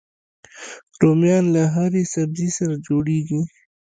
رومیان له هرې سبزي سره جوړيږي